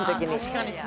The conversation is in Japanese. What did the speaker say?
確かに。